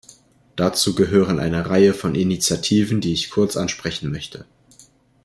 Dazu gehören eine Reihe von Initiativen, die ich kurz ansprechen möchte.